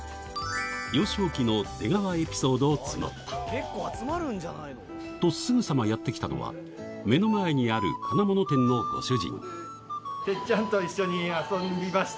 幼少期の出川エピソードを募った結構集まるんじゃないの？とすぐさまやって来たのは目の前にある金物店のご主人